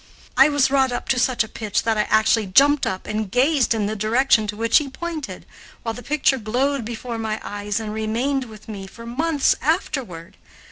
I was wrought up to such a pitch that I actually jumped up and gazed in the direction to which he pointed, while the picture glowed before my eyes and remained with me for months afterward.